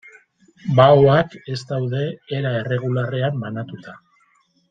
Baoak ez daude era erregularrean banatuta.